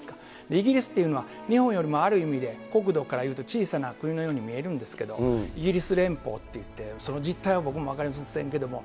イギリスっていうのは、日本よりも、ある意味で国土からいうと小さな国のように見えるんですけれども、イギリス連邦っていって、その実態は僕も分かりませんけれども、